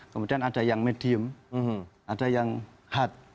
kemudian ada yang medium ada yang hard